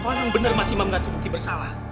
kalau memang benar mas imam mengatakan bukti bersalah